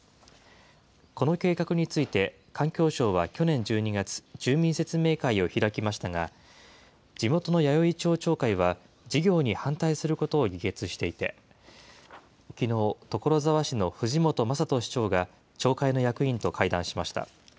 この計画について、環境省は去年１２月、住民説明会を開きましたが、地元の弥生町町会は、事業に反対することを議決していて、きのう、所沢市の藤本正人市長が町会の役員と会談しました。